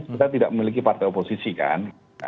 kita tidak memiliki partai oposisi kan